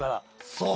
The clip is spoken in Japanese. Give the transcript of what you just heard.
そう。